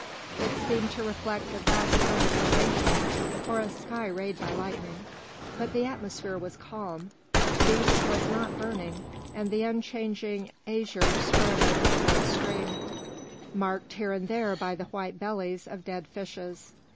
It seemed to reflect a vast conflagration or a sky rayed by lightning, but the atmosphere was calm, Thebes was not burning, and the unchanging azure spread over the red stream, marked here and there by the white bellies of dead fishes.